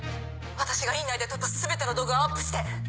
私が院内で撮った全ての動画をアップして！